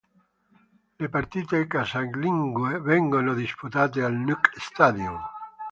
Le partite casalinghe vengono disputate al Nuuk Stadium.